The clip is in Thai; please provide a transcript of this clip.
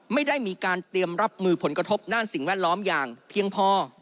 ไม่ได้มีการเตรียมรับมือผลกระทบด้านสิ่งแวดล้อมอย่างเพียงพอ